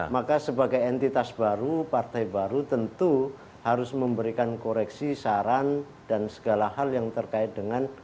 maka sebagai entitas baru partai baru tentu harus memberikan koreksi saran dan segala hal yang terkait dengan